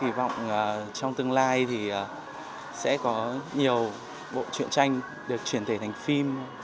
kỳ vọng trong tương lai thì sẽ có nhiều bộ truyện tranh được truyền thể thành phim